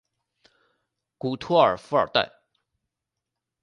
古托尔弗尔代。